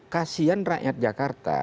kasian rakyat jakarta